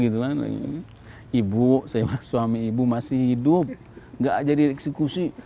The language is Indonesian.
ibu suami ibu masih hidup nggak jadi eksekusi